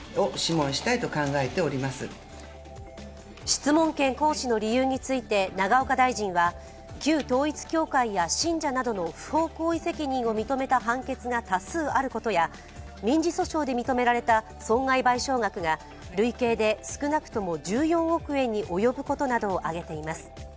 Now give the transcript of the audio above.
質問権行使の理由について永岡大臣は、旧統一教会や信者などの不法行為責任を認めた判決が多数あることや民事訴訟で認められた損害賠償額が累計で少なくとも１４億円に及ぶことなどを挙げています。